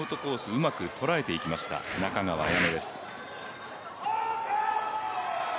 うまく捉えていきました中川彩音です。